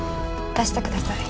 出してください。